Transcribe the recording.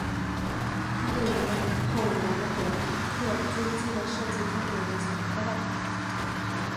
它对于后来容克军机的设计风格影响颇大上。